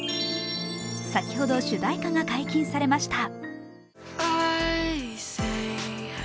先ほど主題歌が解禁されました。